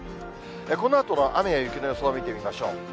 このあとの雨や雪の予想を見てみましょう。